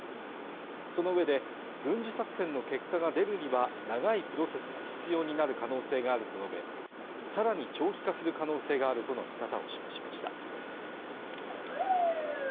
そのうえで軍事作戦の結果が出るには長いプロセスが必要になる可能性があると述べさらに長期化する可能性があるとの見方を示しました